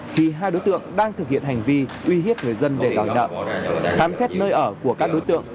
khi hai đối tượng đang thực hiện hành vi uy hiếp người dân để gọi đợi thám xét nơi ở của các đối tượng